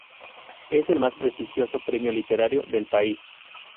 Es el más prestigioso premio literario del país.